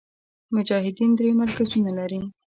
مجاهدین درې مرکزونه لري.